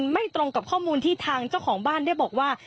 ไม่ตรงกับข้อมูลที่ทางเจ้าของบ้านได้บอกว่า